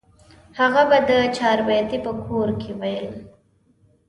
هغه به د چاربیتې په کور کې ویل.